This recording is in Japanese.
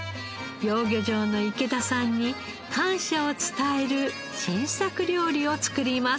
養魚場の池田さんに感謝を伝える新作料理を作ります。